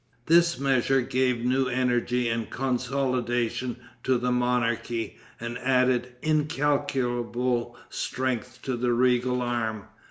This measure gave new energy and consolidation to the monarchy, and added incalculable strength to the regal arm.